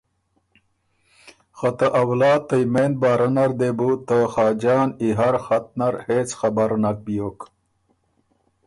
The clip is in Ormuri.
خه ته اولاد ته یمېند بارۀ نر دې بُو ته خاجان ای هرخط نر هېڅ خبر نک بیوک